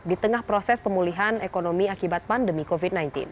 di tengah proses pemulihan ekonomi akibat pandemi covid sembilan belas